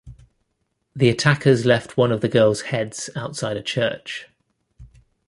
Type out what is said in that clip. The attackers left one of the girls' heads outside a church.